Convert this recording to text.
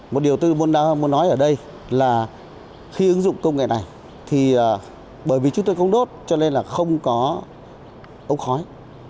một điều tôi muốn nói ở đây là khi ứng dụng công nghệ này thì bởi vì chúng tôi không đốt cho nên là không có ống khói